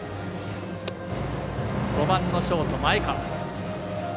５番のショート、前川。